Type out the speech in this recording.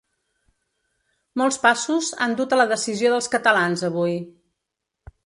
Molts passos han dut a la decisió dels catalans avui.